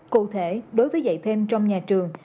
cụ thể đối với dạy thêm trong nhà trường